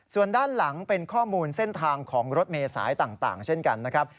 ส่วนด้านหลังเป็นข้อมูลเส้นทางของรถเมษายต่างเช่นกันนะครับ